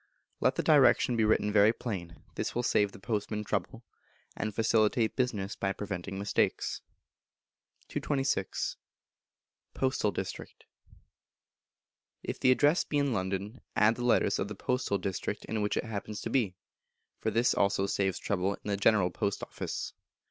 Let the Direction be written very plain; this will save the postman trouble, and facilitate business by preventing mistakes. 226. Postal District. If the Address be in London add the letters of the postal district in which it happens to be, for this also saves trouble in the General Post Office.